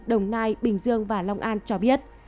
đồng nai bình dương và long an cho biết